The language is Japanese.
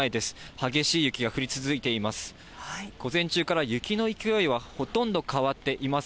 激しい雪が降り続いています。